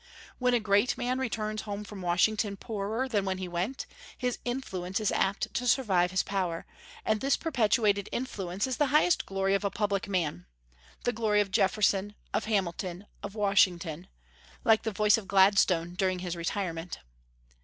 When a great man returns home from Washington poorer than when he went, his influence is apt to survive his power; and this perpetuated influence is the highest glory of a public man, the glory of Jefferson, of Hamilton, of Washington, like the voice of Gladstone during his retirement.